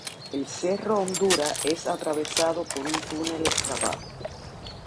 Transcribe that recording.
El cerro Hondura es atravesado por un túnel excavado.